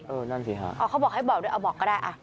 เออนั่นสิค่ะอ้าเขาบอกให้บอกด้วยเอาบอกก็ได้